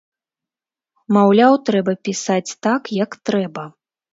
Маўляў, трэба пісаць так, як трэба.